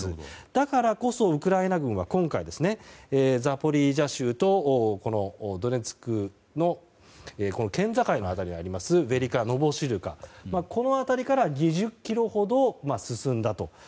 だからこそ、ウクライナ軍は今回ザポリージャ州とドネツクの県境の辺りにあるヴェリカ・ノヴォシルカの辺りから２０ｋｍほど進んだと。